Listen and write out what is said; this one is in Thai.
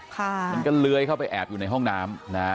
มันก็เลื้อยเข้าไปแอบอยู่ในห้องน้ำนะฮะ